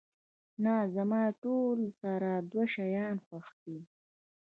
نه، زما ټول سره دوه شیان خوښ دي.